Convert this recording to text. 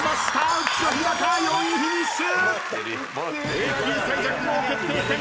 浮所飛貴４位フィニッシュ！